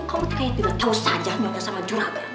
kamu tidak tahu saja punya sama juragan